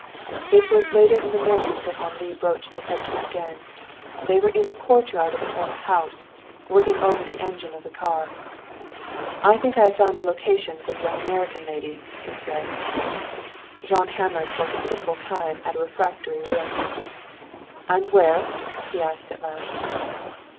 It was later in the morning that Henri broached the subject again. They were in the courtyard of an old house, working over the engine of the car. "I think I have found a location for the young American lady," he said. Jean hammered for a considerable time at a refractory rim. "And where?" he asked at last.